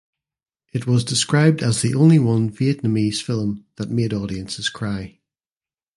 It was described as the only one Vietnamese film that "made audiences cry".